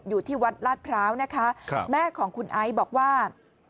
อยู่ที่วัดลาดพร้าวนะคะแม่ของคุณไอซ์บอกว่า